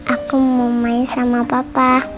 aku mau main sama papa